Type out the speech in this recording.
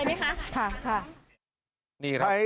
ไม่แล้ว